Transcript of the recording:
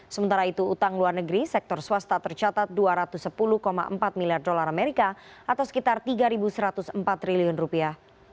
sementara itu utang luar negeri sektor swasta tercatat dua ratus sepuluh empat miliar dolar amerika atau sekitar tiga satu ratus empat triliun rupiah